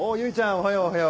おはようおはよう。